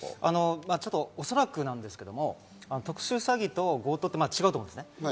おそらくなんですけど特殊詐欺と強盗って違うと思うんですね。